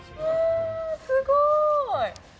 すごい！